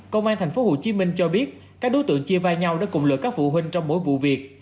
công an tp hcm cho biết các đối tượng chia vai nhau để cùng lựa các phụ huynh trong mỗi vụ việc